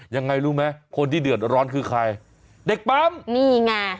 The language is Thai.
ยังไงรู้ไหมคนที่เดือดร้อนคือใครเด็กปั๊มนี่ไง